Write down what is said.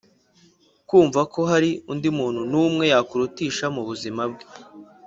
kumva ko hari undi muntu n’umwe yakurutisha mu buzima bwe.